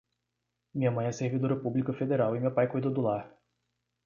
Minha mãe é servidora pública federal e meu pai cuida do lar